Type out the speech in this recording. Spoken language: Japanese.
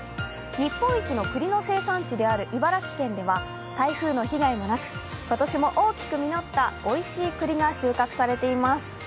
日本一のくりの生産地である茨城県では台風の被害もなく今年も大きく実ったおいしいくりが収穫されています。